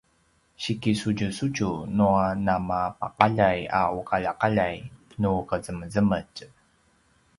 sikisudjusudju nua namapaqaljay a uqaljaqaljay nu qezemezemetj